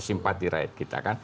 simpati rakyat kita kan